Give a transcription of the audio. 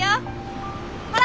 ほら